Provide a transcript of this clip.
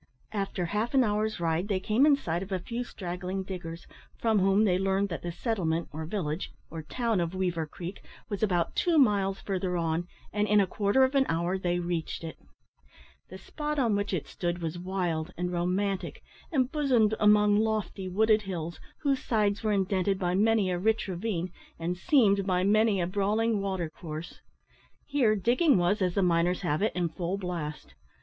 After half an hour's ride they came in sight of a few straggling diggers, from whom they learned that the settlement, or village, or town of Weaver Creek was about two miles further on, and in a quarter of an hour they reached it. The spot on which it stood was wild and romantic, embosomed among lofty wooded hills, whose sides were indented by many a rich ravine, and seamed by many a brawling water course. Here digging was, as the miners have it, in full blast.